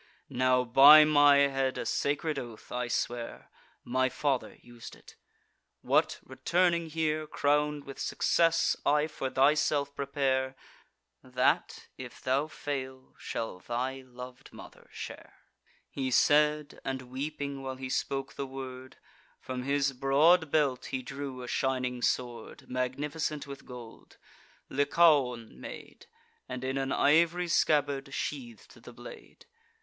Now by my head, a sacred oath, I swear, (My father us'd it,) what, returning here Crown'd with success, I for thyself prepare, That, if thou fail, shall thy lov'd mother share." He said, and weeping, while he spoke the word, From his broad belt he drew a shining sword, Magnificent with gold. Lycaon made, And in an ivory scabbard sheath'd the blade.